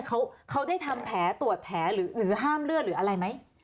เขาได้ทำแผลตรวจแผลหรือห้ามเลือดหรืออะไรไหม